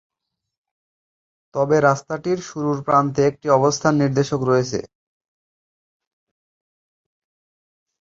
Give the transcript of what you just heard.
তবে রাস্তাটির শুরুর প্রান্তে একটি অবস্থান নির্দেশক রয়েছে।